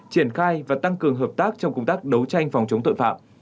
triển khai và tăng cường hợp tác trong công tác đấu tranh phòng chống tội phạm